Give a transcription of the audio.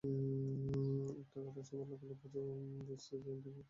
একটা কথা সে বাল্যকাল থেকে বুঝেছে যে, দুর্বলতা অত্যাচারের প্রধান বাহন।